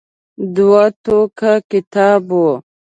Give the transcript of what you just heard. دوه ټوکه کتاب و.